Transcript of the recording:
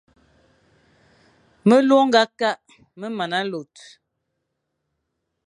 Melu ô nga kakh me mana lor.